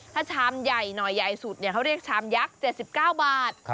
ถ้าชามใหญ่หน่อยใหญ่สุดเขาเรียกชามยักษ์๗๙บาท